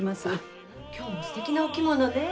今日もすてきなお着物ね。